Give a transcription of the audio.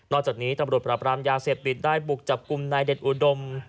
จากนี้ตำรวจปราบรามยาเสพติดได้บุกจับกลุ่มนายเด็ดอุดม